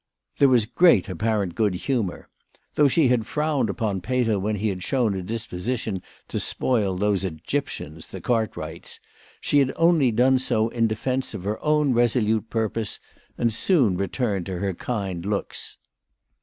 There was great apparent good humour. Though she had frowned upon Peter when he had shown a disposition to spoil those Egyptians the Cartwrights, she had only done so in defence of her own resolute purpose, and soon returned to her kind looks.